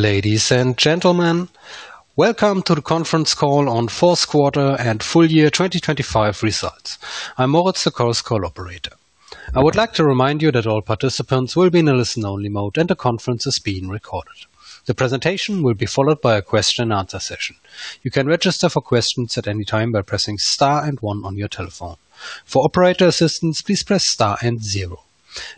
Ladies and gentlemen, welcome to the conference call on fourth quarter and full year 2025 results. I'm Moritz, the conference call operator. I would like to remind you that all participants will be in a listen-only mode, and the conference is being recorded. The presentation will be followed by a question and answer session. You can register for questions at any time by pressing star and one on your telephone. For operator assistance, please press star and zero.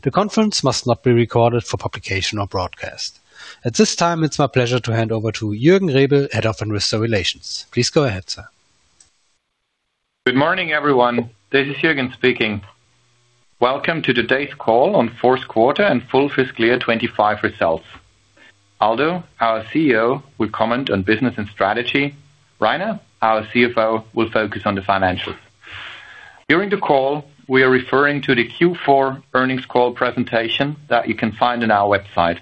The conference must not be recorded for publication or broadcast. At this time, it's my pleasure to hand over to Juergen Rebel, Head of Investor Relations. Please go ahead, sir. Good morning, everyone. This is Juergen speaking. Welcome to today's call on fourth quarter and full fiscal year 2025 results. Aldo, our CEO, will comment on business and strategy. Rainer, our CFO, will focus on the financials. During the call, we are referring to the Q4 earnings call presentation that you can find on our website.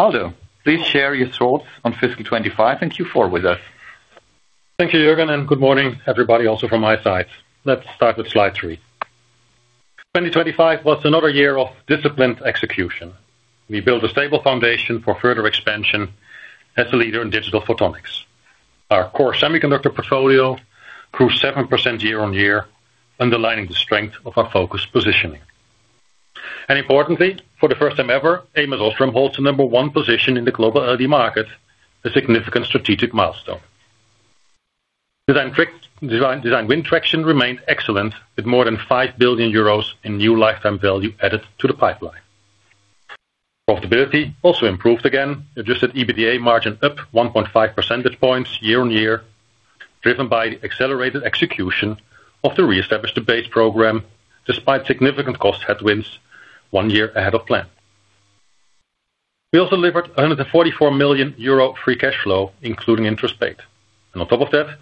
Aldo, please share your thoughts on fiscal 2025 and Q4 with us. Thank you, Jürgen, and good morning, everybody, also from my side. Let's start with slide 3. 2025 was another year of disciplined execution. We built a stable foundation for further expansion as a leader in digital photonics. Our core semiconductor portfolio grew 7% year-on-year, underlining the strength of our focused positioning. Importantly, for the first time ever, ams OSRAM holds the No. 1 position in the global LED market, a significant strategic milestone. Design-win traction remained excellent, with more than 5 billion euros in new lifetime value added to the pipeline. Profitability also improved again, adjusted EBITDA margin up 1.5 percentage points year-on-year, driven by accelerated execution of the Re-establish the Base program despite significant cost headwinds one year ahead of plan. We also delivered 144 million euro Free Cash Flow, including interest paid. On top of that,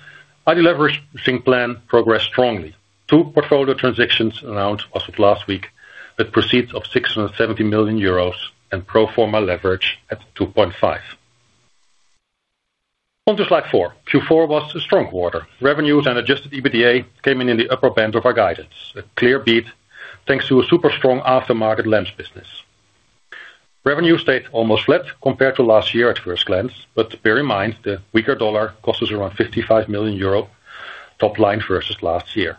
our deleveraging plan progressed strongly. Two portfolio transactions announced as of last week, with proceeds of 670 million euros and pro forma leverage at 2.5. On to slide 4. Q4 was a strong quarter. Revenues and Adjusted EBITDA came in in the upper band of our guidance, a clear beat, thanks to a super strong aftermarket lens business. Revenue stayed almost flat compared to last year at first glance, but bear in mind, the weaker US dollar cost us around 55 million euro top line versus last year.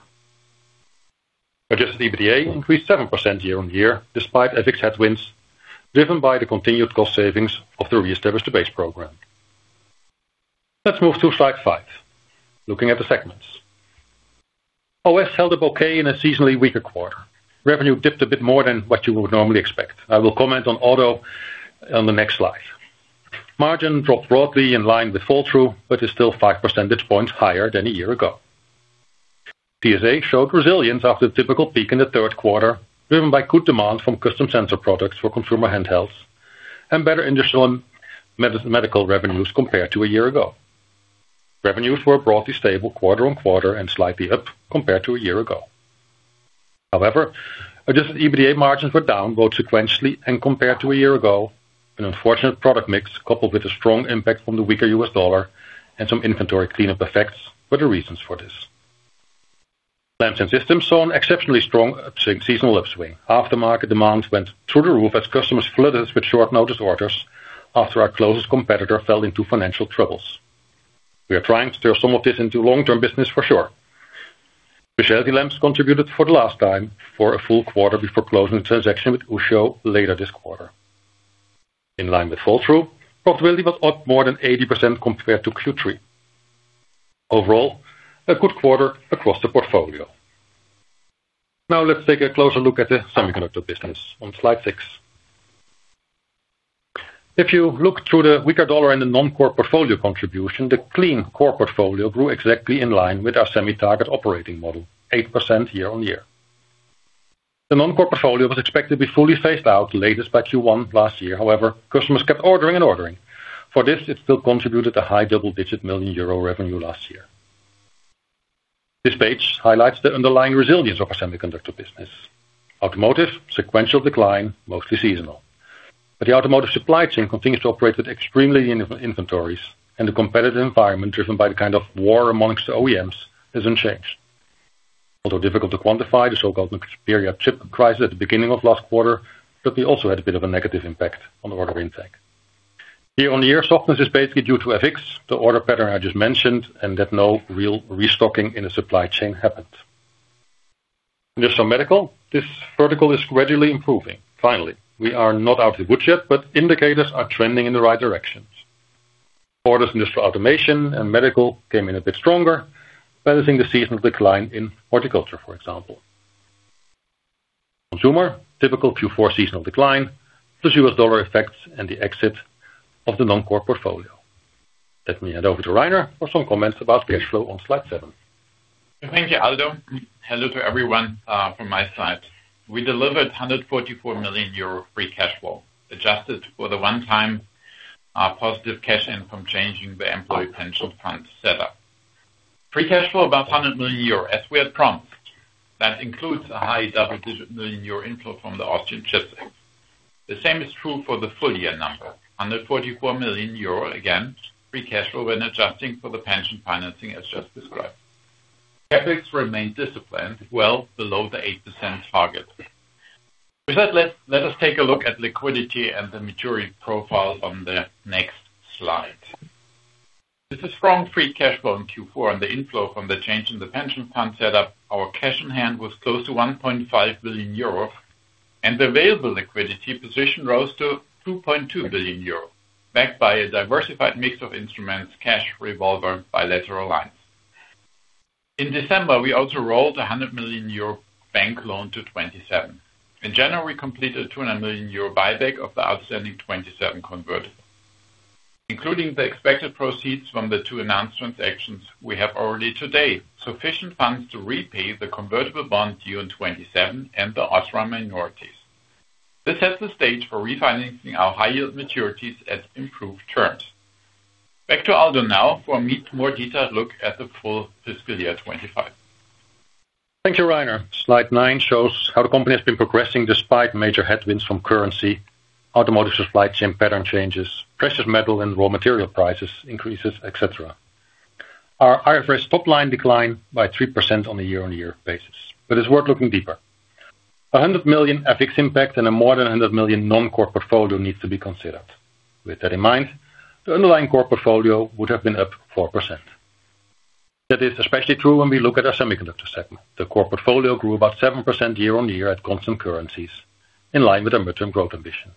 Adjusted EBITDA increased 7% year-on-year, despite FX headwinds, driven by the continued cost savings of the Re-establish the Base program. Let's move to slide 5. Looking at the segments. OS held up okay in a seasonally weaker quarter. Revenue dipped a bit more than what you would normally expect. I will comment on Auto on the next slide. Margin dropped broadly in line with fall-through, but is still 5 percentage points higher than a year ago. CSA showed resilience after the typical peak in the third quarter, driven by good demand from custom sensor products for consumer handhelds and better industrial and medical revenues compared to a year ago. Revenues were broadly stable quarter-on-quarter and slightly up compared to a year ago. However, Adjusted EBITDA margins were down, both sequentially and compared to a year ago, an unfortunate product mix, coupled with a strong impact from the weaker U.S. dollar and some inventory cleanup effects were the reasons for this. Lamps and Systems saw an exceptionally strong upswing, seasonal upswing. Aftermarket demand went through the roof as customers flooded us with short-notice orders after our closest competitor fell into financial troubles. We are trying to turn some of this into long-term business for sure. Specialty lamps contributed for the last time for a full quarter before closing the transaction with Ushio later this quarter. In line with fall-through, profitability was up more than 80% compared to Q3. Overall, a good quarter across the portfolio. Now, let's take a closer look at the semiconductor business on slide six. If you look through the weaker U.S. dollar and the non-core portfolio contribution, the clean core portfolio grew exactly in line with our semi-target operating model, 8% year-on-year. The non-core portfolio was expected to be fully phased out latest by Q1 last year. However, customers kept ordering and ordering. For this, it still contributed a high double-digit million EUR revenue last year. This page highlights the underlying resilience of our semiconductor business. Automotive, sequential decline, mostly seasonal, but the automotive supply chain continues to operate with extremely inventories, and the competitive environment, driven by the kind of war amongst the OEMs, is unchanged. Also difficult to quantify the so-called pandemic chip crisis at the beginning of last quarter, but we also had a bit of a negative impact on the order intake. Year-on-year softness is basically due to FX, the order pattern I just mentioned, and that no real restocking in the supply chain happened. Industrial medical, this vertical is gradually improving. Finally, we are not out of the woods yet, but indicators are trending in the right directions. Orders in industrial automation and medical came in a bit stronger, balancing the seasonal decline in horticulture, for example. Consumer, typical Q4 seasonal decline, the U.S. dollar effects and the exit of the non-core portfolio. Let me hand over to Rainer for some comments about cash flow on slide seven. Thank you, Aldo. Hello to everyone, from my side. We delivered 144 million euro free cash flow, adjusted for the one-time, positive cash in from changing the employee pension fund setup. Free cash flow, about 100 million euro, as we had promised. That includes a high double-digit million EUR inflow from the Austrian chip sector. The same is true for the full-year number, 144 million euro, again, free cash flow when adjusting for the pension financing, as just described. CapEx remained disciplined, well below the 8% target. With that, let's, let us take a look at liquidity and the maturity profile on the next slide. With a strong free cash flow in Q4 and the inflow from the change in the pension fund set up, our cash on hand was close to 1.5 billion euro, and the available liquidity position rose to 2.2 billion euro, backed by a diversified mix of instruments, cash, revolver, bilateral lines. In December, we also rolled a 100 million euro bank loan to 2027. In January, we completed a 200 million euro buyback of the outstanding 2027 convertible. Including the expected proceeds from the two announced transactions, we have already today sufficient funds to repay the convertible bonds due in 2027 and the OSRAM minorities. This sets the stage for refinancing our high-yield maturities at improved terms. Back to Aldo now for a more detailed look at the full fiscal year 2025. Thank you, Rainer. Slide nine shows how the company has been progressing despite major headwinds from currency, automotive supply chain pattern changes, precious metal and raw material prices increases, et cetera. Our IFRS top line declined by 3% on a year-on-year basis, but it's worth looking deeper. 100 million FX impact and more than 100 million non-core portfolio needs to be considered. With that in mind, the underlying core portfolio would have been up 4%. That is especially true when we look at our semiconductor segment. The core portfolio grew about 7% year-on-year at constant currencies, in line with our midterm growth ambition.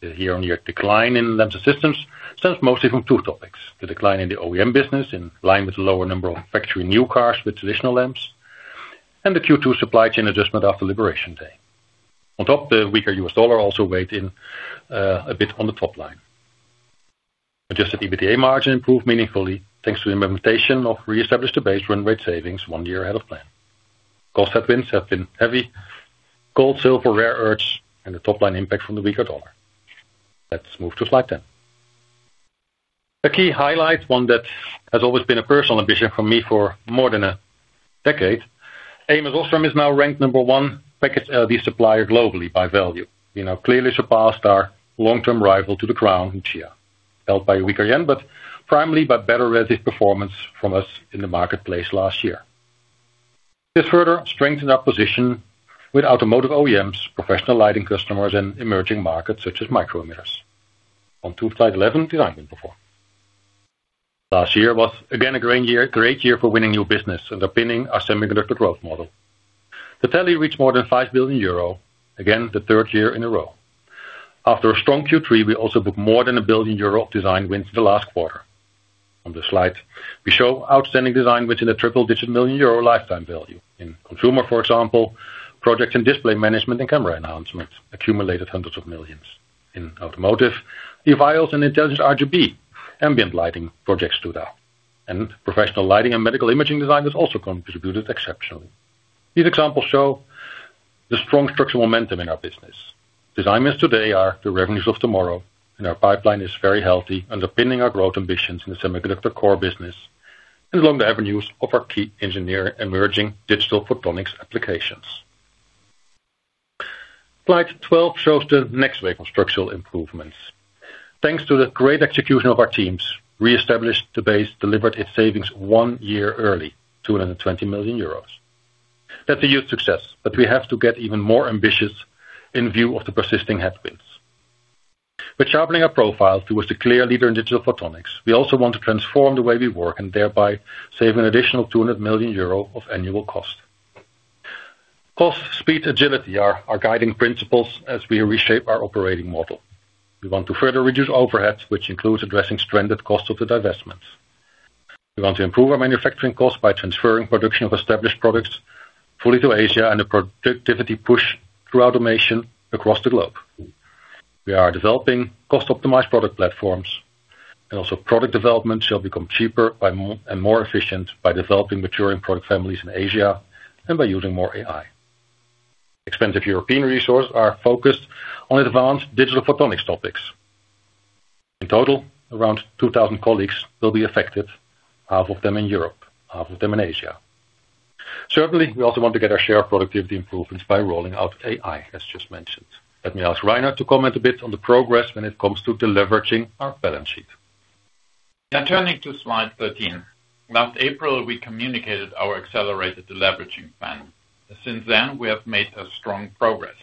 The year-on-year decline in lens systems stems mostly from two topics: the decline in the OEM business, in line with the lower number of factory new cars with traditional lamps, and the Q2 supply chain adjustment after Liberation Day. On top, the weaker U.S. dollar also weighed in, a bit on the top line. Adjusted EBITDA margin improved meaningfully, thanks to the implementation of Re-establish the Base run rate savings one year ahead of plan. Cost headwinds have been heavy. Gold, silver, rare earths, and the top line impact from the weaker dollar. Let's move to slide 10. A key highlight, one that has always been a personal ambition for me for more than a decade. ams OSRAM is now ranked number one package LED supplier globally by value. We now clearly surpassed our long-term rival to the crown each year, held by a weaker yen, but primarily by better R&D performance from us in the marketplace last year. This further strengthened our position with automotive OEMs, professional lighting customers, and emerging markets such as micromirrors. On to slide 11, design win performance. Last year was again a great year, great year for winning new business and underpinning our semiconductor growth model. The tally reached more than 5 billion euro, again, the third year in a row. After a strong Q3, we also booked more than 1 billion euro design wins in the last quarter. On this slide, we show outstanding design, which, in a triple-digit million EUR lifetime value. In consumer, for example, projector and display management and camera announcements accumulated hundreds of millions. In automotive, the EVIYOS and intelligent RGB ambient lighting projects stood out, and professional lighting and medical imaging design has also contributed exceptionally. These examples show the strong structural momentum in our business. Design wins today are the revenues of tomorrow, and our pipeline is very healthy, underpinning our growth ambitions in the semiconductor core business and along the avenues of our key enabling emerging Digital Photonics applications. Slide 12 shows the next wave of structural improvements. Thanks to the great execution of our teams, Re-establish the Base delivered its savings one year early, 220 million euros. That's a huge success, but we have to get even more ambitious in view of the persisting headwinds. We're sharpening our profile towards the clear leader in Digital Photonics. We also want to transform the way we work and thereby save an additional 200 million euro of annual cost. Cost, speed, agility are our guiding principles as we reshape our operating model. We want to further reduce overheads, which includes addressing stranded costs of the divestments. We want to improve our manufacturing costs by transferring production of established products fully to Asia, and a productivity push through automation across the globe. We are developing cost-optimized product platforms, and also product development shall become cheaper by more and more efficient by developing maturing product families in Asia and by using more AI. Expensive European resources are focused on advanced Digital Photonics topics. In total, around 2,000 colleagues will be affected, half of them in Europe, half of them in Asia. Certainly, we also want to get our share of productivity improvements by rolling out AI, as just mentioned. Let me ask Rainer to comment a bit on the progress when it comes to deleveraging our balance sheet. Now, turning to slide 13. Last April, we communicated our accelerated deleveraging plan. Since then, we have made a strong progress.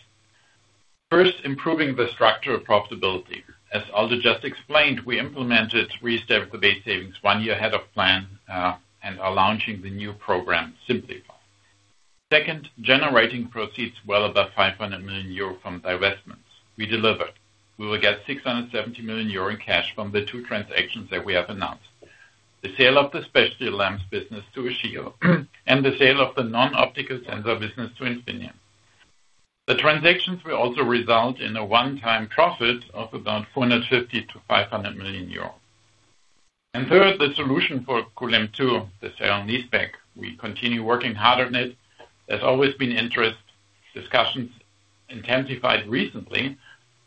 First, improving the structure of profitability. As Aldo just explained, we implemented Re-established the Base savings one year ahead of plan, and are launching the new program, Simplify. Second, generating proceeds well above 500 million euro from divestments. We delivered. We will get 670 million euro in cash from the two transactions that we have announced. The sale of the specialty lamps business to Ushio, and the sale of the non-optical sensor business to Infineon. The transactions will also result in a one-time profit of about 450 million-500 million euros. And third, the solution for Kulim 2, the sale-and-leaseback. We continue working hard on it. There's always been interest, discussions intensified recently,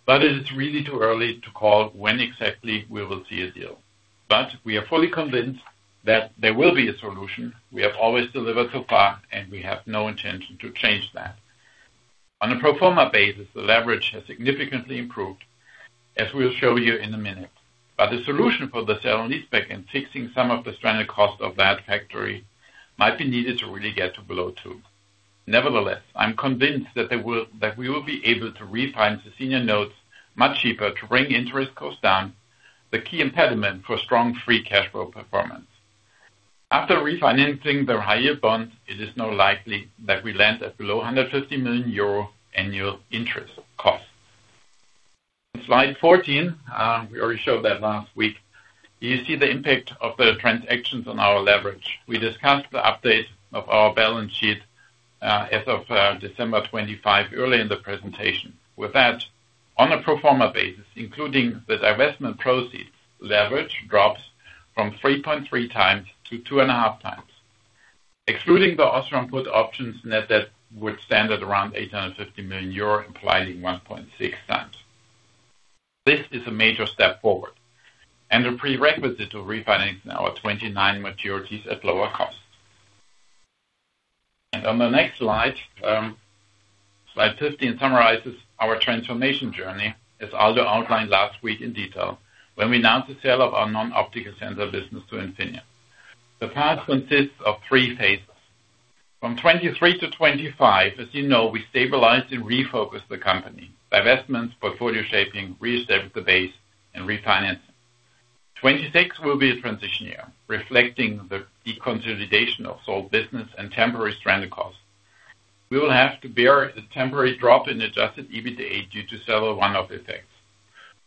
but it is really too early to call when exactly we will see a deal. But we are fully convinced that there will be a solution. We have always delivered so far, and we have no intention to change that. On a pro forma basis, the leverage has significantly improved… as we'll show you in a minute. But the solution for the sale and leaseback and fixing some of the stranded costs of that factory might be needed to really get to below two. Nevertheless, I'm convinced that they will- that we will be able to refinance the senior notes much cheaper to bring interest costs down, the key impediment for strong free cash flow performance. After refinancing the higher bonds, it is now likely that we land at below 150 million euro annual interest costs. Slide 14, we already showed that last week. You see the impact of the transactions on our leverage. We discussed the update of our balance sheet, as of December 25, earlier in the presentation. With that, on a pro forma basis, including the divestment proceeds, leverage drops from 3.3x to 2.5x. Excluding the OSRAM put options, net debt would stand at around 850 million euro, implying 1.6x. This is a major step forward and a prerequisite to refinancing our 2029 maturities at lower cost. On the next slide, Slide 15 summarizes our transformation journey, as Aldo outlined last week in detail when we announced the sale of our non-optical sensor business to Infineon. The path consists of three phases. From 2023 to 2025, as you know, we stabilized and refocused the company. Divestments, portfolio shaping, Re-establish the Base and refinancing. 2026 will be a transition year, reflecting the deconsolidation of sold business and temporary stranded costs. We will have to bear the temporary drop in Adjusted EBITDA due to several one-off effects.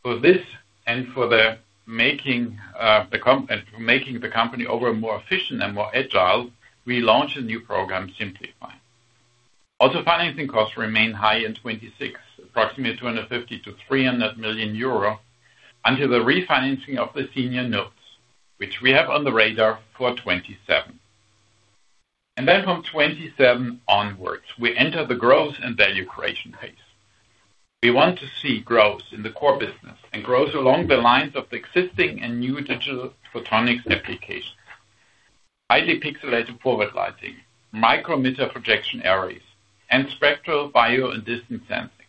For this, and for making the company more efficient and more agile, we launched a new program, Simplify. Also, financing costs remain high in 2026, approximately 250 million-300 million euro, until the refinancing of the senior notes, which we have on the radar for 2027. Then from 2027 onwards, we enter the growth and value creation phase. We want to see growth in the core business and growth along the lines of the existing and new Digital Photonics applications. Highly pixelated forward lighting, micromirror projection arrays, and spectral, bio, and distance sensing.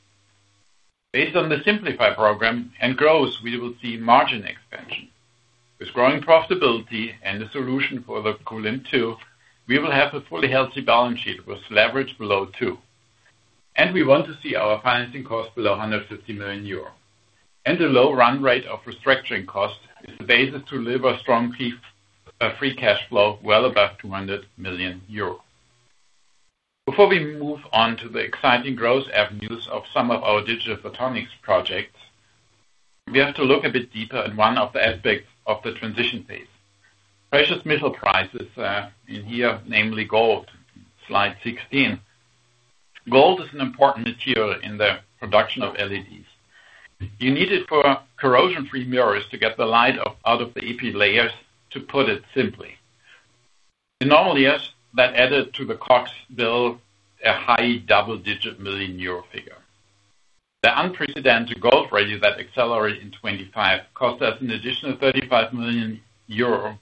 Based on the Simplify program and growth, we will see margin expansion. With growing profitability and a solution for the Kulim 2, we will have a fully healthy balance sheet with leverage below 2. We want to see our financing costs below 150 million euros. The low run rate of restructuring costs is the basis to deliver strong peak free cash flow well above 200 million euros. Before we move on to the exciting growth avenues of some of our digital photonics projects, we have to look a bit deeper in one of the aspects of the transition phase. Precious metal prices in here, namely gold. Slide 16. Gold is an important material in the production of LEDs. You need it for corrosion-free mirrors to get the light out of the epi layers, to put it simply. In all years, that added to the cost bill, a high double-digit million EUR figure. The unprecedented gold rally that accelerated in 2025 cost us an additional 35 million euro,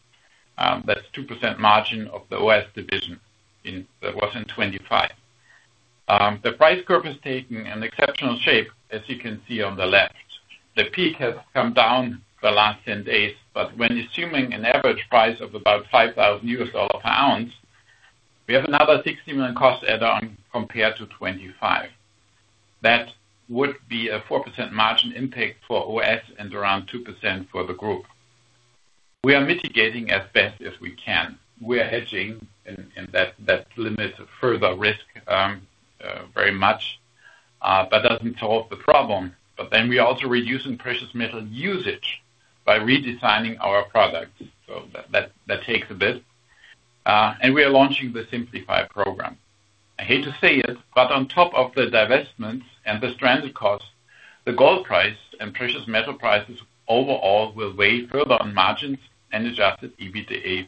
that's 2% margin of the OS division in, that was in 2025. The price curve is taking an exceptional shape, as you can see on the left. The peak has come down the last 10 days, but when assuming an average price of about $5,000 per ounce, we have another 60 million cost add-on compared to 2025. That would be a 4% margin impact for OS and around 2% for the group. We are mitigating as best as we can. We are hedging, and that limits further risk very much, but doesn't solve the problem. But then we are also reducing precious metal usage by redesigning our products. So that, that takes a bit. And we are launching the Simplify program. I hate to say it, but on top of the divestments and the stranded costs, the gold price and precious metal prices overall will weigh further on margins and Adjusted EBITDA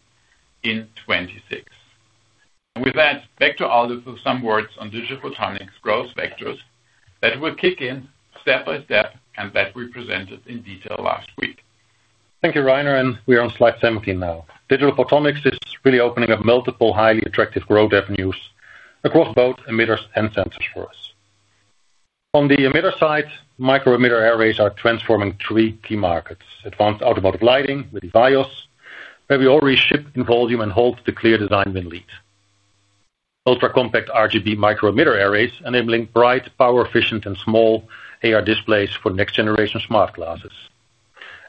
in 2026. And with that, back to Aldo for some words on Digital Photonics growth vectors that will kick in step by step and that we presented in detail last week. Thank you, Rainer, and we are on slide 17 now. Digital Photonics is really opening up multiple highly attractive growth avenues across both emitters and sensors for us. On the emitter side, micro-emitter arrays are transforming three key markets. Advanced automotive lighting with EVIYOS, where we already ship in volume and hold the clear design win lead. Ultra-compact RGB micro-emitter arrays, enabling bright, power efficient, and small AR displays for next-generation smart glasses.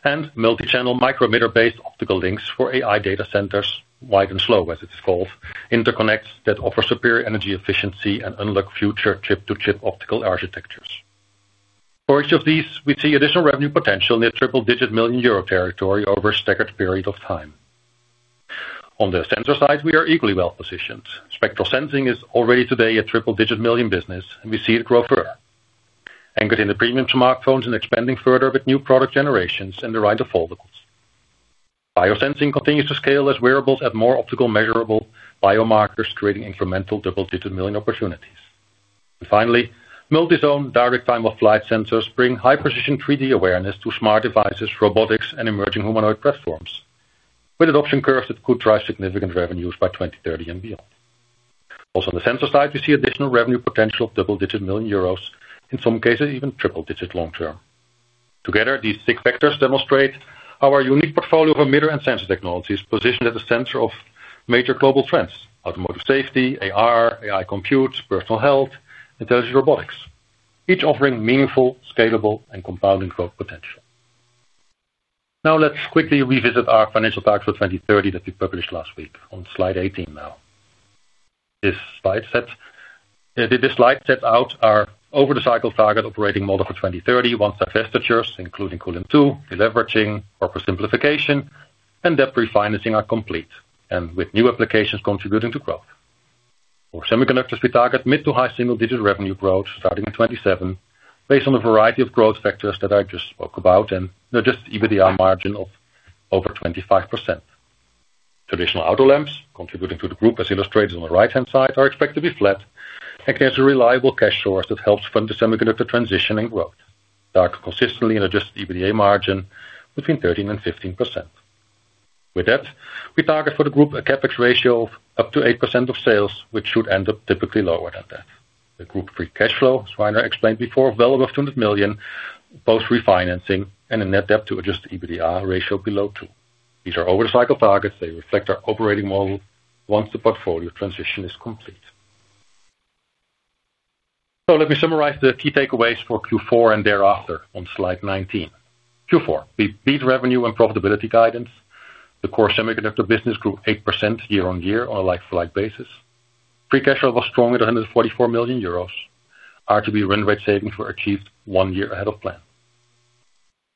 And multi-channel micro-emitter-based optical links for AI data centers, wide and slow, as it's called, interconnects that offer superior energy efficiency and unlock future chip-to-chip optical architectures. For each of these, we see additional revenue potential in a triple-digit million EUR territory over a staggered period of time. On the sensor side, we are equally well positioned. Spectral Sensing is already today a triple-digit million business, and we see it grow further. Anchored in the premium smartphones and expanding further with new product generations and the rise of foldables. Biosensing continues to scale as wearables add more optical measurable biomarkers, creating incremental double-digit million opportunities. And finally, multi-zone direct time-of-flight sensors bring high-precision 3D awareness to smart devices, robotics, and emerging humanoid platforms, with adoption curves that could drive significant revenues by 2030 and beyond... Also on the sensor side, we see additional revenue potential of double-digit million EUR, in some cases, even triple-digit long-term. Together, these six vectors demonstrate our unique portfolio of micromirror and sensor technologies positioned at the center of major global trends, automotive safety, AR, AI compute, personal health, intelligent robotics, each offering meaningful, scalable, and compounding growth potential. Now, let's quickly revisit our financial targets for 2030 that we published last week on slide 18 now. This slide set out our over-the-cycle target operating model for 2030 once divestitures, including Kulim 2, deleveraging, corporate simplification, and debt refinancing are complete, and with new applications contributing to growth. For semiconductors, we target mid- to high single-digit revenue growth, starting in 2027, based on a variety of growth factors that I just spoke about, and adjusted EBITDA margin of over 25%. Traditional auto lamps, contributing to the group, as illustrated on the right-hand side, are expected to be flat, and as a reliable cash source that helps fund the semiconductor transition and growth. Target consistently in adjusted EBITDA margin between 13% and 15%. With that, we target for the group a CapEx ratio of up to 8% of sales, which should end up typically lower than that. The group free cash flow, as Rainer explained before, well above 200 million, both refinancing and a net debt to adjusted EBITDA ratio below 2. These are overcycle targets. They reflect our operating model once the portfolio transition is complete. So let me summarize the key takeaways for Q4 and thereafter on slide 19. Q4, we beat revenue and profitability guidance. The core semiconductor business grew 8% year-on-year on a like-for-like basis. Free cash flow was strong at 144 million euros. RTB run rate savings were achieved one year ahead of plan.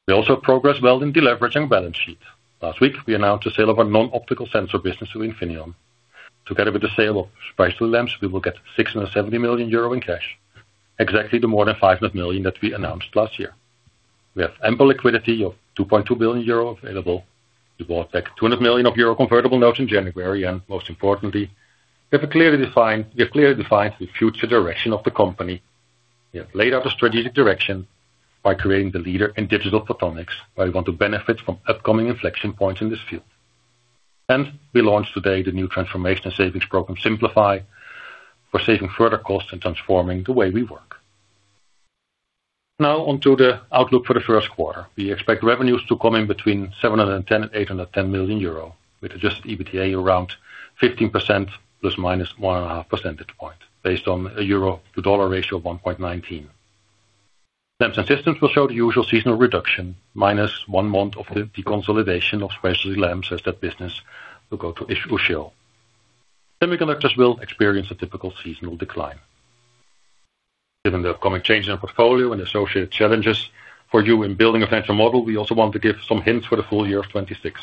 We also progressed well in deleveraging balance sheet. Last week, we announced the sale of our non-optical sensor business to Infineon. Together with the sale of specialty lamps, we will get 670 million euro in cash, exactly the more than 500 million that we announced last year. We have ample liquidity of 2.2 billion euro available. We bought back 200 million euro of EUR convertible notes in January, and most importantly, we have clearly defined, we have clearly defined the future direction of the company. We have laid out a strategic direction by creating the leader in Digital Photonics, where we want to benefit from upcoming inflection points in this field. And we launched today the new transformation and savings program, Simplify, for saving further costs and transforming the way we work. Now on to the outlook for the first quarter. We expect revenues to come in between 710 million and 810 million euro, with adjusted EBITDA around 15%, ±1.5 percentage points, based on a euro-to-dollar ratio of 1.19. Lamps and systems will show the usual seasonal reduction, minus one month of the deconsolidation of specialty lamps, as that business will go to Ushio. Semiconductors will experience a typical seasonal decline. Given the upcoming change in our portfolio and associated challenges for you in building a financial model, we also want to give some hints for the full year of 2026.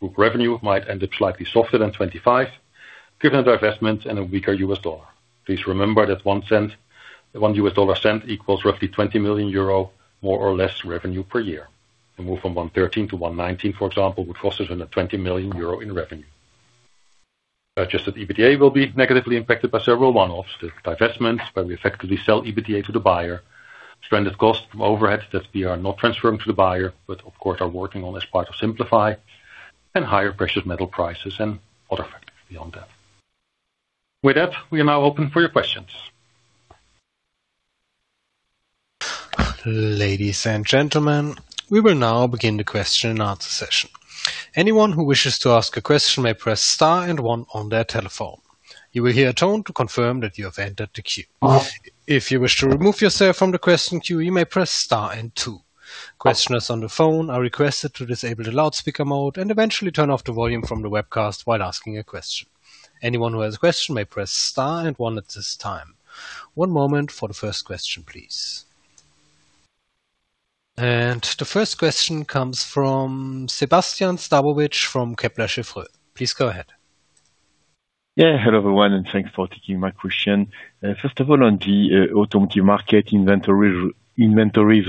Group revenue might end up slightly softer than 2025, given divestments and a weaker US dollar. Please remember that one cent, one US dollar cent equals roughly 20 million euro, more or less revenue per year. To move from 113 to 119, for example, would cost us under 20 million euro in revenue. Adjusted EBITDA will be negatively impacted by several one-offs, the divestments, where we effectively sell EBITDA to the buyer, stranded costs from overhead that we are not transferring to the buyer, but of course, are working on as part of Simplify, and higher precious metal prices and other factors beyond that. With that, we are now open for your questions. Ladies and gentlemen, we will now begin the question and answer session. Anyone who wishes to ask a question may press star and one on their telephone. You will hear a tone to confirm that you have entered the queue. If you wish to remove yourself from the question queue, you may press star and two. Questioners on the phone are requested to disable the loudspeaker mode and eventually turn off the volume from the webcast while asking a question. Anyone who has a question may press star and one at this time. One moment for the first question, please. The first question comes from Sebastien Sztabowicz from Kepler Cheuvreux. Please go ahead. Yeah, hello, everyone, and thanks for taking my question. First of all, on the automotive market, inventories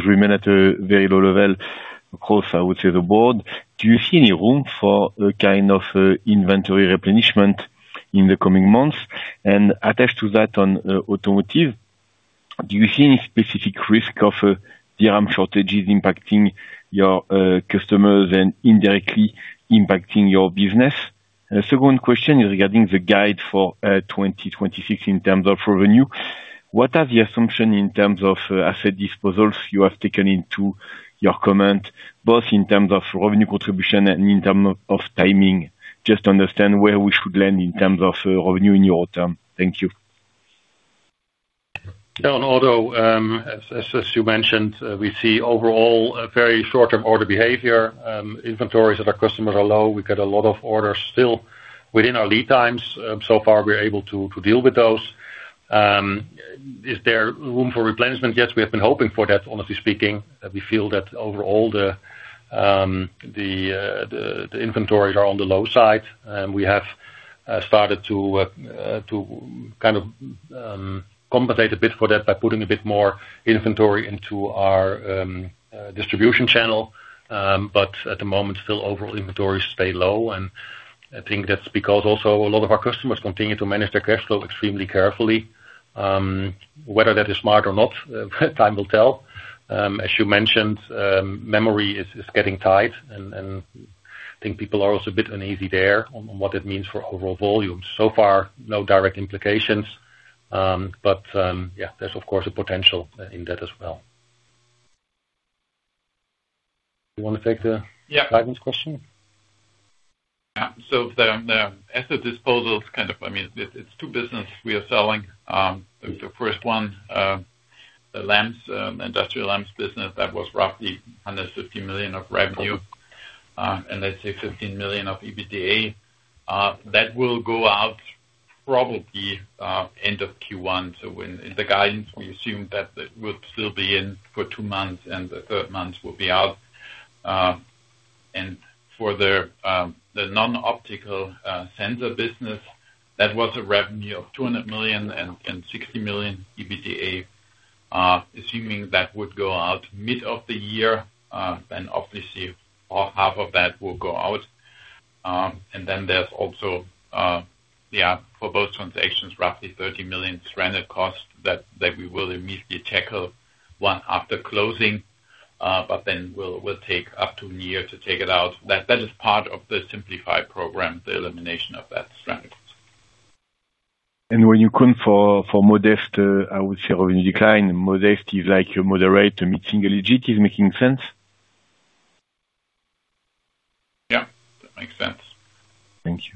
remain at a very low level, across the board, I would say. Do you see any room for a kind of inventory replenishment in the coming months? And attached to that on automotive, do you see any specific risk of DRAM shortages impacting your customers and indirectly impacting your business? And the second question is regarding the guide for 2026 in terms of revenue. What are the assumption in terms of asset disposals you have taken into your comment, both in terms of revenue contribution and in terms of timing, just to understand where we should land in terms of revenue in your term? Thank you. On auto, as you mentioned, we see overall a very short-term order behavior. Inventories at our customers are low. We get a lot of orders still within our lead times. So far, we're able to deal with those. Is there room for replenishment? Yes, we have been hoping for that, honestly speaking. We feel that overall the inventories are on the low side, and we have started to kind of compensate a bit for that by putting a bit more inventory into our distribution channel. But at the moment, still overall inventories stay low, and I think that's because also a lot of our customers continue to manage their cash flow extremely carefully. Whether that is smart or not, time will tell. As you mentioned, memory is getting tight, and I think people are also a bit uneasy there on what it means for overall volume. So far, no direct implications. But, yeah, there's of course a potential in that as well. You want to take the- Yeah. Guidance question? Yeah. So the, the asset disposals kind of, I mean, it, it's two business we are selling. The first one, the lamps, industrial lamps business, that was roughly under 50 million of revenue, and let's say 15 million of EBITDA. That will go out probably, end of Q1. So in, in the guidance, we assume that it will still be in for two months, and the third month will be out. And for the, the non-optical, sensor business, that was a revenue of 200 million and, and 60 million EBITDA. Assuming that would go out mid of the year, then obviously, half of that will go out. And then there's also, yeah, for both transactions, roughly 30 million stranded costs that, that we will immediately tackle one after closing, but then we'll will take up to a year to take it out. That, that is part of the Simplify program, the elimination of that stranded. When you come for, for modest, I would say decline, modest is like your moderate, and mid-single digit is making sense? Yeah, that makes sense. Thank you.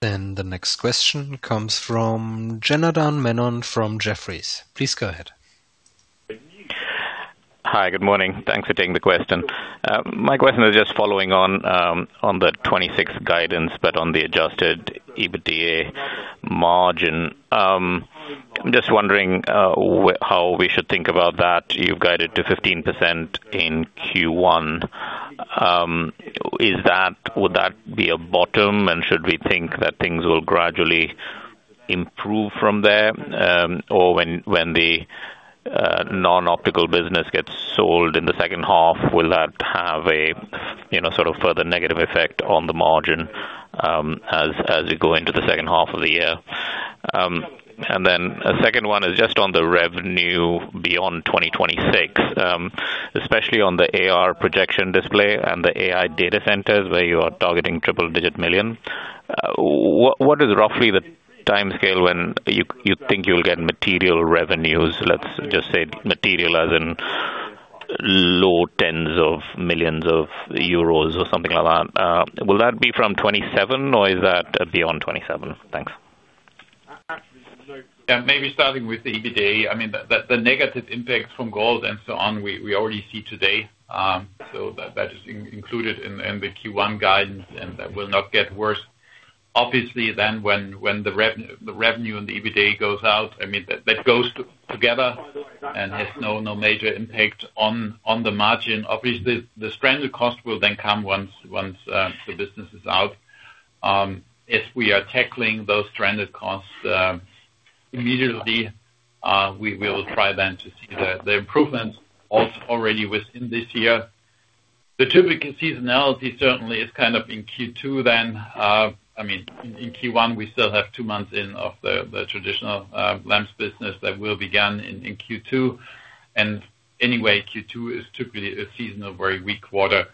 The next question comes from Janardan Menon from Jefferies. Please go ahead. Hi, good morning. Thanks for taking the question. My question is just following on, on the 2026 guidance, but on the Adjusted EBITDA margin. I'm just wondering, how we should think about that. You've guided to 15% in Q1. Is that-- would that be a bottom, and should we think that things will gradually improve from there? Or when, when the, non-optical business gets sold in the second half, will that have a, you know, sort of further negative effect on the margin, as, as we go into the second half of the year? And then a second one is just on the revenue beyond 2026, especially on the AR projection display and the AI data centers, where you are targeting triple digit million. What is roughly the timescale when you think you'll get material revenues, let's just say material as in low tens of millions EUR or something like that? Will that be from 2027 or is that beyond 2027? Thanks. Yeah. Maybe starting with the EBITDA, I mean, the, the negative impact from gold and so on, we, we already see today. So that, that is included in, in the Q1 guidance, and that will not get worse. Obviously, then, when, when the revenue and the EBITDA goes out, I mean, that goes together and has no, no major impact on, on the margin. Obviously, the stranded cost will then come once the business is out. If we are tackling those stranded costs immediately, we will try then to see the, the improvements also already within this year. The typical seasonality certainly is kind of in Q2 then, I mean, in Q1, we still have two months in of the, the traditional lamps business that will begin in Q2. Anyway, Q2 is typically a season of very weak quarter.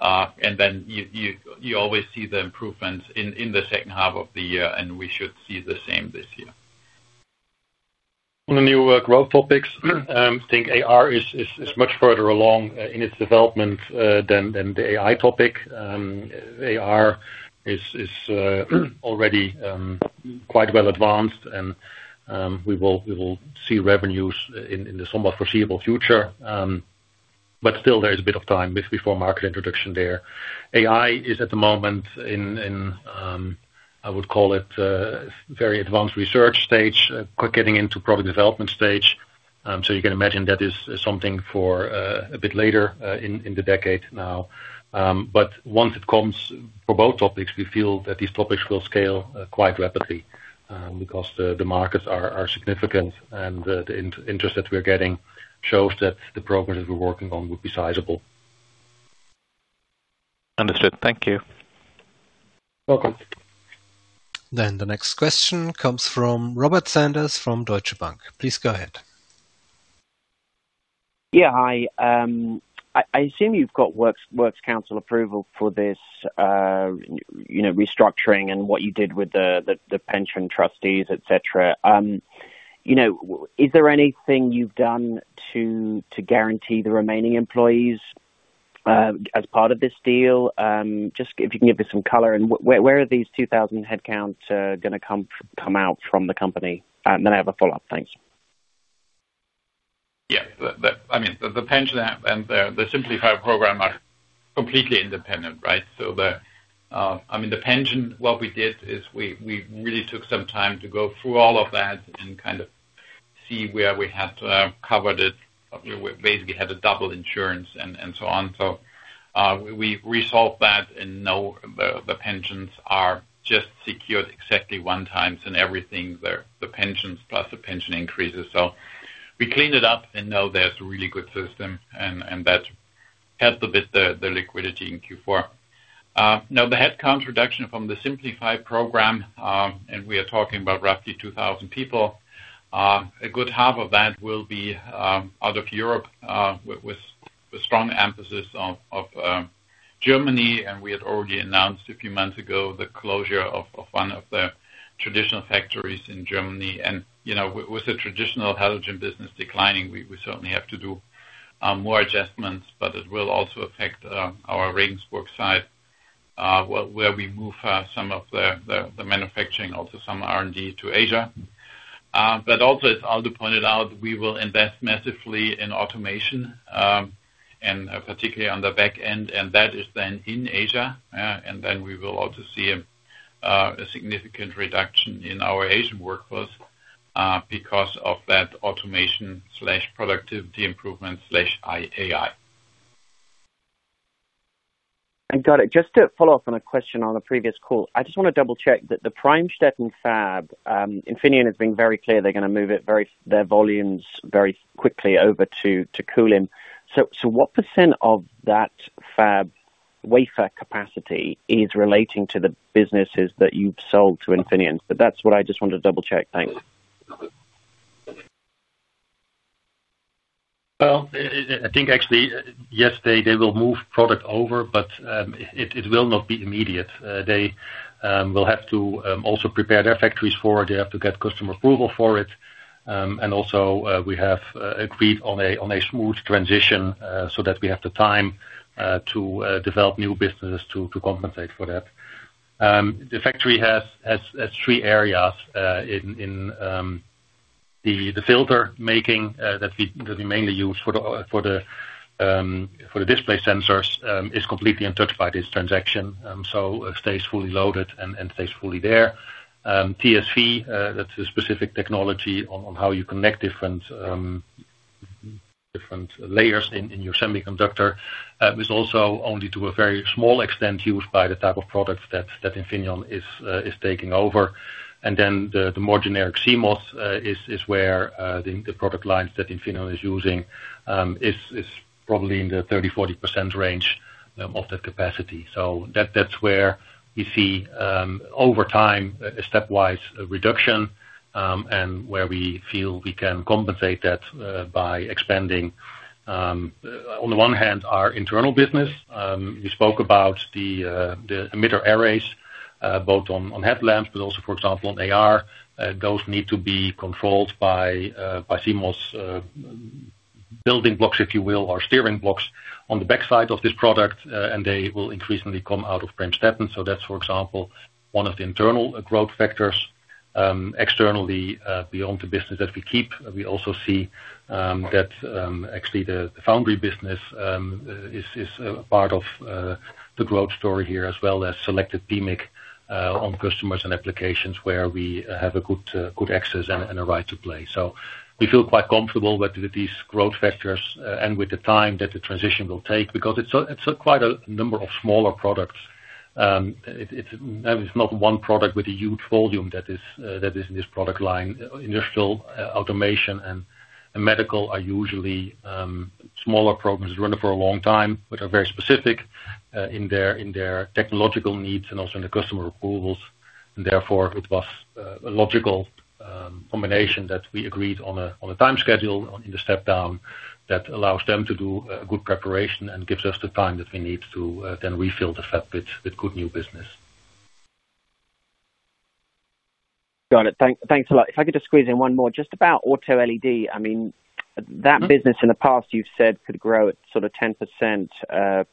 And then you always see the improvements in the second half of the year, and we should see the same this year. On the new growth topics, I think AR is much further along in its development than the AI topic. AR is already quite well advanced, and we will see revenues in the somewhat foreseeable future. But still, there is a bit of time before market introduction there. AI is at the moment in I would call it very advanced research stage, getting into product development stage. So you can imagine that is something for a bit later in the decade now. But once it comes for both topics, we feel that these topics will scale quite rapidly, because the markets are significant, and the interest that we are getting shows that the programs that we're working on will be sizable. Understood. Thank you. Welcome. The next question comes from Robert Sanders from Deutsche Bank. Please go ahead. Yeah. Hi, I assume you've got works council approval for this, you know, restructuring and what you did with the pension trustees, et cetera. You know, is there anything you've done to guarantee the remaining employees as part of this deal? Just if you can give me some color, and where are these 2,000 headcounts gonna come out from the company? And then I have a follow-up. Thanks. Yeah. I mean, the pension and the Simplify program are completely independent, right? So I mean, the pension, what we did is we really took some time to go through all of that and kind of see where we had to cover it. We basically had a double insurance and so on. So we resolved that, and now the pensions are just secured exactly one times and everything, the pensions plus the pension increases. So we cleaned it up, and now there's a really good system, and that helped a bit the liquidity in Q4. Now the headcount reduction from the Simplify program, and we are talking about roughly 2,000 people. A good half of that will be out of Europe with a strong emphasis on Germany, and we had already announced a few months ago the closure of one of the traditional factories in Germany. You know, with the traditional halogen business declining, we certainly have to do more adjustments, but it will also affect our Regensburg site where we move some of the manufacturing, also some R&D to Asia. But also, as Aldo pointed out, we will invest massively in automation and particularly on the back end, and that is then in Asia. And then we will also see a significant reduction in our Asian workforce because of that automation/productivity improvement/IAI. Got it. Just to follow up on a question on a previous call, I just want to double check that the Premstaetten fab, Infineon has been very clear they're gonna move their volumes very quickly over to Kulim. So what percent of that fab wafer capacity is relating to the businesses that you've sold to Infineon? That's what I just wanted to double check. Thanks. Well, I think actually, yes, they will move product over, but it will not be immediate. They will have to also prepare their factories for it. They have to get customer approval for it. And also, we have agreed on a smooth transition, so that we have the time to develop new business to compensate for that. The factory has three areas, in the filter making that we mainly use for the display sensors, is completely untouched by this transaction, so it stays fully loaded and stays fully there. TSV, that's a specific technology on how you connect different layers in your semiconductor, is also only to a very small extent used by the type of products that Infineon is taking over. And then the more generic CMOS is where the product lines that Infineon is using is probably in the 30-40% range of that capacity. So that's where we see, over time, a stepwise reduction, and where we feel we can compensate that by expanding, on the one hand, our internal business. We spoke about the emitter arrays, both on headlamps, but also, for example, on AR. Those need to be controlled by CMOS building blocks, if you will, or steering blocks on the backside of this product, and they will increasingly come out of Premstaetten. So that's, for example, one of the internal growth factors. Externally, beyond the business that we keep, we also see that actually the foundry business is a part of the growth story here, as well as selected PMIC on customers and applications where we have a good access and a right to play. So we feel quite comfortable with these growth factors and with the time that the transition will take, because it's quite a number of smaller products. It’s not one product with a huge volume that is in this product line. Industrial automation and medical are usually smaller programs running for a long time, which are very specific in their technological needs and also in the customer approvals. Therefore, it was a logical combination that we agreed on a time schedule in the step down that allows them to do good preparation and gives us the time that we need to then refill the fab with good new business. Got it. Thanks, thanks a lot. If I could just squeeze in one more, just about auto LED. I mean, that business in the past, you've said, could grow at sort of 10%,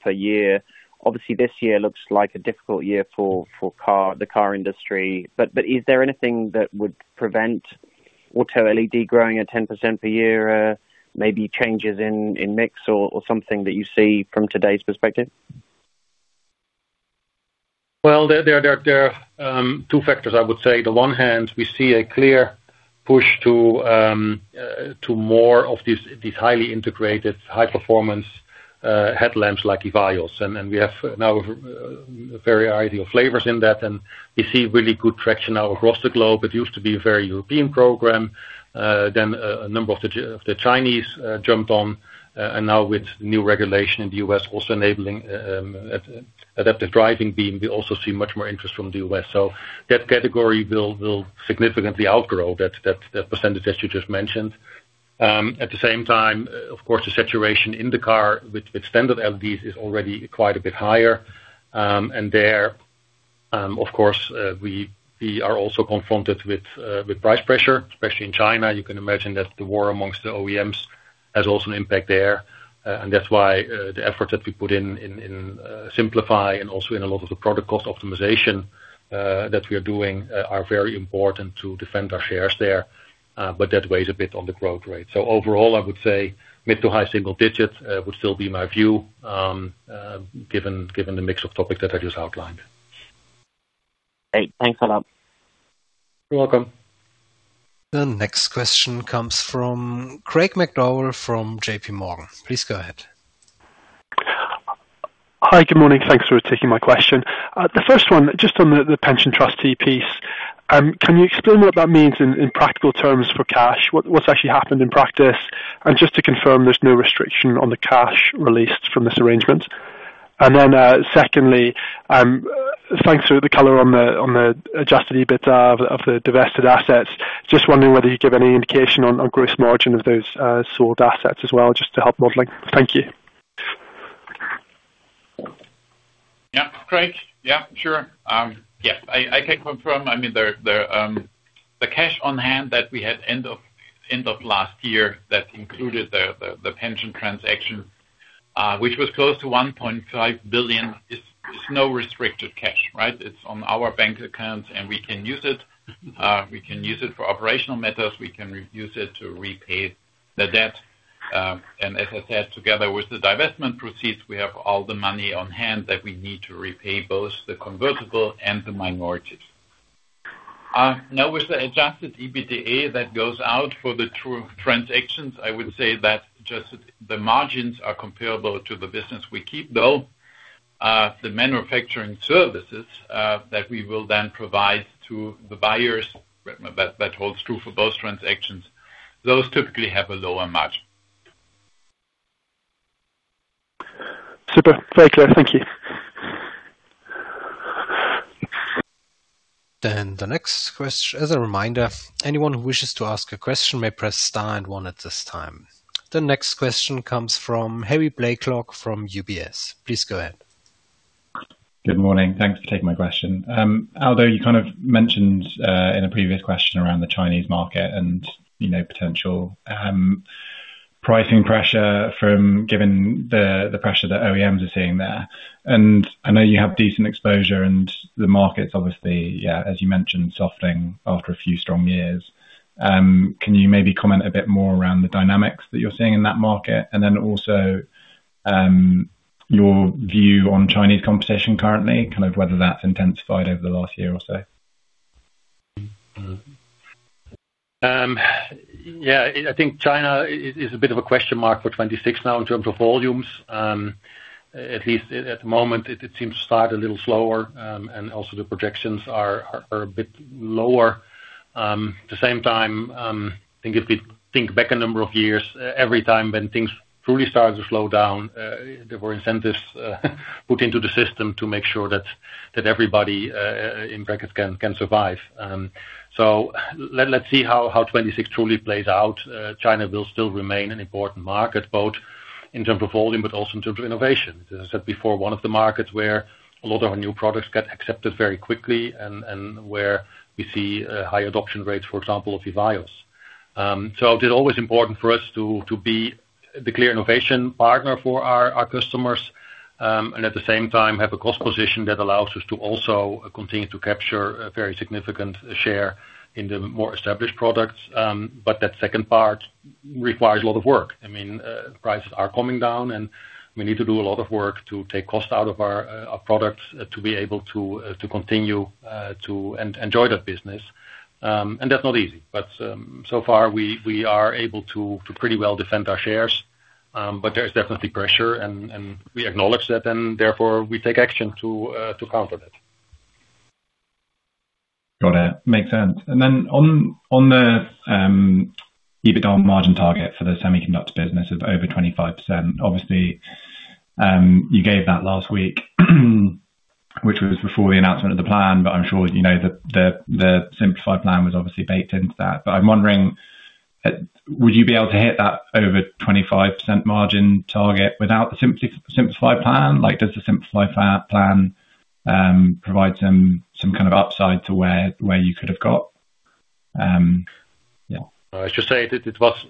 per year. Obviously, this year looks like a difficult year for the car industry, but is there anything that would prevent auto LED growing at 10% per year, maybe changes in mix or something that you see from today's perspective? Well, there are two factors, I would say. On the one hand, we see a clear push to more of these highly integrated, high-performance headlamps like EVIYOS. And we have now a wide variety of flavors in that, and we see really good traction now across the globe. It used to be a very European program, then a number of the Chinese jumped on, and now with new regulation in the US also enabling adaptive driving beam, we also see much more interest from the US. So that category will significantly outgrow that percentage that you just mentioned. At the same time, of course, the saturation in the car with standard LEDs is already quite a bit higher. And there, of course, we are also confronted with price pressure, especially in China. You can imagine that the war amongst the OEMs has also an impact there, and that's why the efforts that we put in, in Simplify and also in a lot of the product cost optimization that we are doing are very important to defend our shares there, but that weighs a bit on the growth rate. So overall, I would say mid to high single digits would still be my view, given the mix of topics that I just outlined. Great. Thanks a lot. You're welcome. The next question comes from Craig McDowell, from JPMorgan. Please go ahead. Hi, good morning. Thanks for taking my question. The first one, just on the pension trustee piece. Can you explain what that means in practical terms for cash? What's actually happened in practice? And just to confirm, there's no restriction on the cash released from this arrangement. And then, secondly, thanks for the color on the Adjusted EBITDA of the divested assets. Just wondering whether you'd give any indication on gross margin of those sold assets as well, just to help modeling. Thank you. Yeah, great. Yeah, sure. Yeah, I can confirm, I mean, the cash on hand that we had end of last year, that included the pension transaction, which was close to 1.5 billion, is no restricted cash, right? It's on our bank accounts, and we can use it. We can use it for operational methods, we can reuse it to repay the debt. And as I said, together with the divestment proceeds, we have all the money on hand that we need to repay both the convertible and the minorities. Now, with the Adjusted EBITDA that goes out for the two transactions, I would say that just the margins are comparable to the business we keep though. The manufacturing services that we will then provide to the buyers, that holds true for both transactions. Those typically have a lower margin. Super, very clear. Thank you. Then the next question. As a reminder, anyone who wishes to ask a question may press star and one at this time. The next question comes from Harry Blaiklock from UBS. Please go ahead. Good morning. Thanks for taking my question. Aldo, you kind of mentioned, in a previous question around the Chinese market and, you know, potential, pricing pressure from... Given the pressure that OEMs are seeing there. And I know you have decent exposure and the market's obviously, yeah, as you mentioned, softening after a few strong years. Can you maybe comment a bit more around the dynamics that you're seeing in that market? And then also, your view on Chinese competition currently, kind of whether that's intensified over the last year or so. Yeah, I think China is a bit of a question mark for 2026 now in terms of volumes. At least at the moment, it seems to start a little slower, and also the projections are a bit lower. At the same time, I think if we think back a number of years, every time when things truly started to slow down, there were incentives put into the system to make sure that everybody in bracket can survive. So let's see how 2026 truly plays out. China will still remain an important market, both in terms of volume, but also in terms of innovation. As I said before, one of the markets where a lot of our new products get accepted very quickly and, and where we see high adoption rates. So it is always important for us to, to be the clear innovation partner for our, our customers, and at the same time, have a cost position that allows us to also continue to capture a very significant share in the more established products. But that second part requires a lot of work. I mean, prices are coming down, and we need to do a lot of work to take cost out of our, our products to be able to, to continue, to enjoy that business. And that's not easy. But so far, we, we are able to, to pretty well defend our shares. But there is definitely pressure, and we acknowledge that, and therefore, we take action to counter that. Got it. Makes sense. And then on the EBITDA margin target for the semiconductor business of over 25%, obviously, you gave that last week, which was before the announcement of the plan, but I'm sure you know, the Simplify plan was obviously baked into that. But I'm wondering, would you be able to hit that over 25% margin target without the Simplify plan? Like, does the Simplify plan provide some kind of upside to where you could have got? Yeah. I should say that it was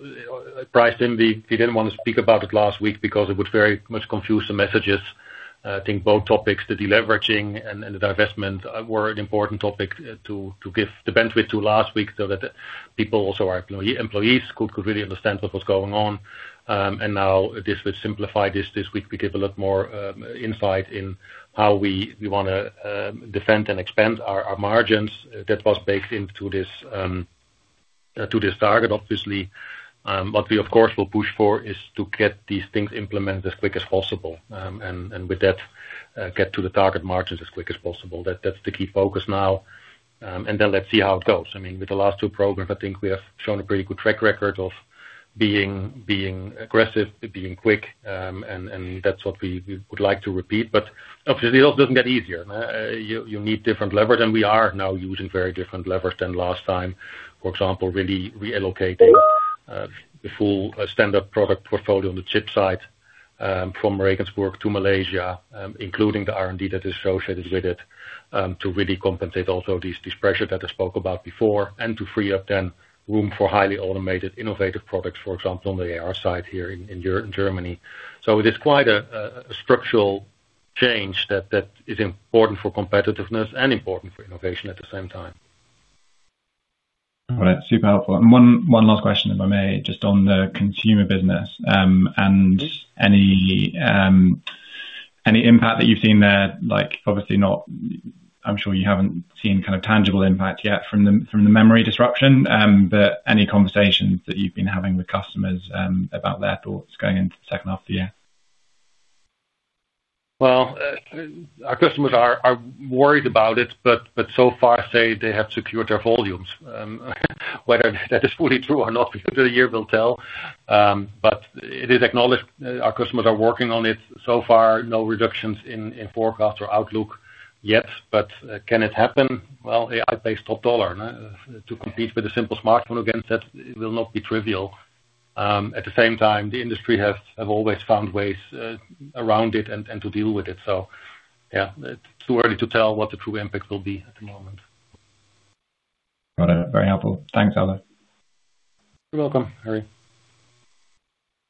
priced in. We didn't want to speak about it last week because it would very much confuse the messages. I think both topics, the deleveraging and the divestment, were an important topic to give the bandwidth to last week, so that people, also our employees, could really understand what was going on. And now this would simplify this. This week, we give a lot more insight in how we wanna defend and expand our margins. That was baked into this to this target, obviously. What we, of course, will push for is to get these things implemented as quick as possible, and with that, get to the target margins as quick as possible. That's the key focus now, and then let's see how it goes. I mean, with the last two programs, I think we have shown a pretty good track record of being aggressive, being quick, and that's what we would like to repeat. But obviously, it also doesn't get easier. You need different levers, and we are now using very different levers than last time. For example, really reallocating the full standard product portfolio on the chip side from Regensburg to Malaysia, including the R&D that is associated with it, to really compensate also these pressures that I spoke about before, and to free up then room for highly automated innovative products, for example, on the AR side here in Germany. It is quite a structural change that is important for competitiveness and important for innovation at the same time. All right. Super helpful. And one last question, if I may, just on the consumer business. and- Mm-hmm. Any impact that you've seen there, like, obviously not... I'm sure you haven't seen kind of tangible impact yet from the memory disruption, but any conversations that you've been having with customers about their thoughts going into the second half of the year? Well, our customers are worried about it, but so far say they have secured their volumes. Whether that is fully true or not, the year will tell. But it is acknowledged our customers are working on it. So far, no reductions in forecast or outlook yet, but can it happen? Well, AI-based top dollar to compete with a simple smartphone against that, it will not be trivial. At the same time, the industry has always found ways around it and to deal with it. So yeah, it's too early to tell what the true impact will be at the moment. Got it. Very helpful. Thanks, Aldo. You're welcome, Harry.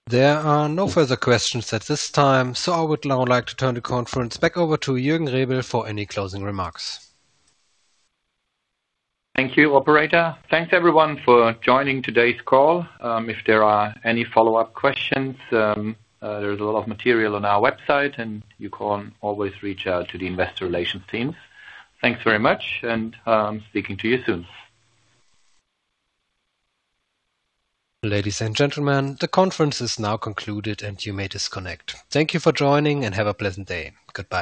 There are no further questions at this time, so I would now like to turn the conference back over to Jürgen Rebel for any closing remarks. Thank you, operator. Thanks, everyone, for joining today's call. If there are any follow-up questions, there's a lot of material on our website, and you can always reach out to the investor relations teams. Thanks very much, and speaking to you soon. Ladies and gentlemen, the conference is now concluded, and you may disconnect. Thank you for joining, and have a pleasant day. Goodbye.